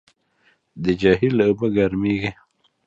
د جهیل اوبه ګرمېږي.